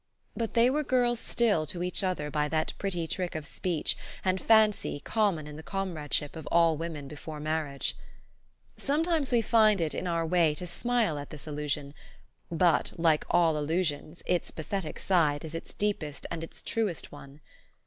But they were girls still to each other by that pretty trick of speech and fancy common in the comradeship of all women before marriage. Sometimes we find it in our way to smile at this illusion ; but, like all illu sions, its pathetic side is its deepest and its truest one.